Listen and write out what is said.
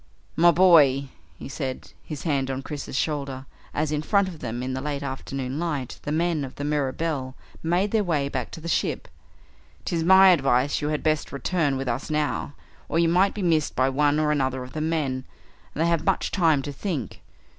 "My boy," he said, his hand on Chris's shoulder, as in front of them in the late afternoon light the men of the Mirabelle made their way back to the ship, "'tis my advice you had best return with us now, or you might be missed by one or another of the men, and they have much time to think.